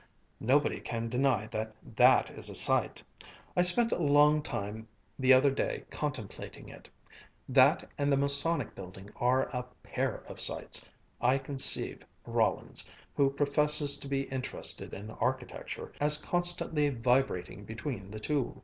Nobody can deny that that is a sight. I spent a long time the other day contemplating it. That and the Masonic Building are a pair of sights. I conceive Rollins, who professes to be interested in architecture, as constantly vibrating between the two."